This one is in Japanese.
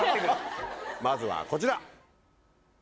まずはこちら。